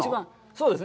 そうです。